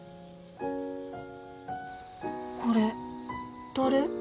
これ誰？